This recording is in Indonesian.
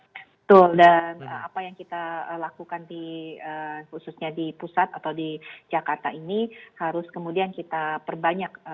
betul dan apa yang kita lakukan khususnya di pusat atau di jakarta ini harus kemudian kita perbanyak